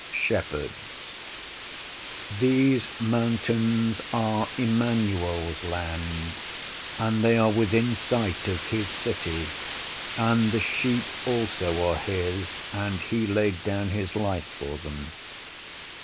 Shepherds These mountains are "Immanuel's Land," and they are within sight of his city; and the sheep also are his, and he laid down his life for them.